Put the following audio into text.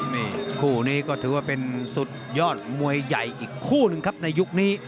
นี่คู่นี้ก็ถือว่าเป็นสุดยอดมวยใหญ่อีกคู่หนึ่งครับในยุคนี้